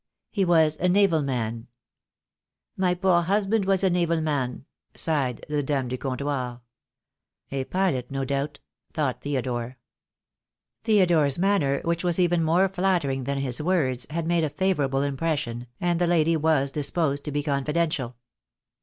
He was a naval man." "My poor husband was a naval man," sighed the dame du comptoir. "A pilot, no doubt," thought Theodore. THE DAY WILL COME. 1 87 Theodore's manner, which was even more nattering than his words, had made a favourable impression, and the lady was disposed to be confidential.